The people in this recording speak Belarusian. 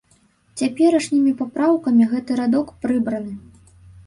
Цяперашнімі папраўкамі гэты радок прыбраны.